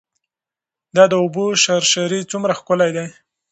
دا د اوبو شرشرې څومره ښکلې دي.